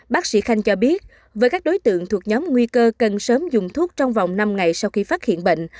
bác sĩ khanh cho biết với các đối tượng thuộc nhóm nguy cơ cần sớm dùng thuốc trong vòng năm ngày sau khi phát hiện bệnh